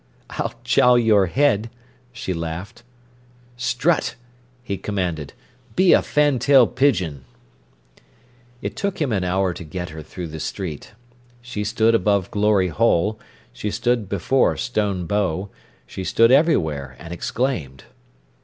"I'll jowl your head," she laughed. "Strut!" he commanded. "Be a fantail pigeon." It took him an hour to get her through the street. She stood above Glory Hole, she stood before Stone Bow, she stood everywhere, and exclaimed.